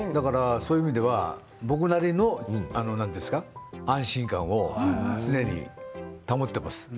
そういう意味では僕だけの安心感を常に保っています。